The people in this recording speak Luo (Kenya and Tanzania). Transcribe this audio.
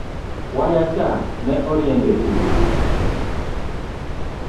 Wayacha ne oriembe thurgi?